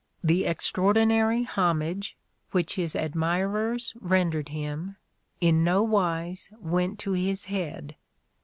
The extraordinary homage which his admirers rendered him, in no wise "went to his head."